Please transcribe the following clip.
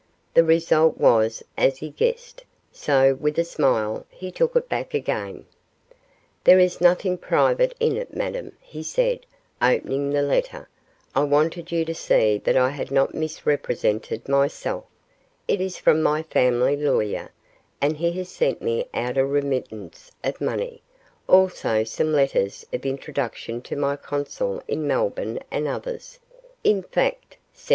The result was as he guessed; so, with a smile, he took it back again. 'There is nothing private in it, Madame,' he said, opening the letter; 'I wanted you to see that I had not misrepresented myself it is from my family lawyer, and he has sent me out a remittance of money, also some letters of introduction to my consul in Melbourne and others; in fact,' said M.